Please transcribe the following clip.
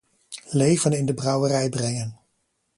Leven in de brouwerij brengen.